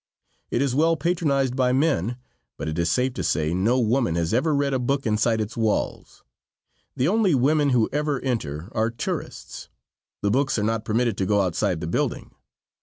It is well patronized by men, but it is safe to say no woman has ever read a book inside its walls. The only women who ever enter are tourists. The books are not permitted to go outside the building.